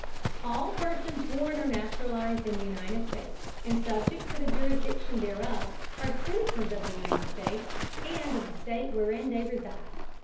All persons born or naturalized in the United States, and subject to the jurisdiction thereof, are citizens of the United States and of the State wherein they reside.